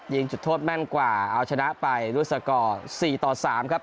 จุดโทษแม่นกว่าเอาชนะไปด้วยสกอร์๔ต่อ๓ครับ